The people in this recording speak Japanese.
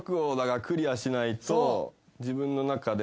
自分の中で。